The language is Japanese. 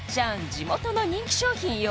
地元の人気商品よ